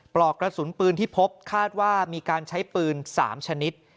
ปลอกกระสุนปืนที่พบคาดว่ามีการใช้ปืน๓ชนิด